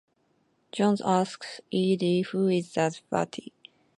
Jones asked Eadie Who is that fatty?